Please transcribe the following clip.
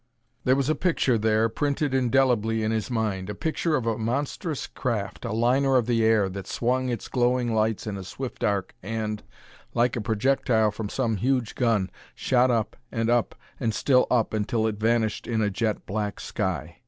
There was a picture there, printed indelibly in his mind a picture of a monstrous craft, a liner of the air, that swung its glowing lights in a swift arc and, like a projectile from some huge gun, shot up and up and still up until it vanished in a jet black sky.